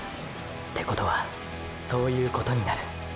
てことはそういうことになる。